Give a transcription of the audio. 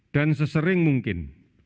dan sesering mungkin